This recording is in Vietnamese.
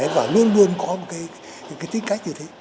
và luôn luôn có một tính cách như thế